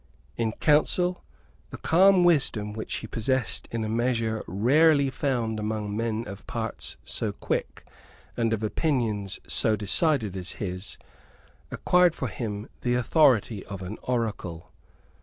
In council, the calm wisdom which he possessed in a measure rarely found among men of parts so quick and of opinions so decided as his, acquired for him the authority of an oracle.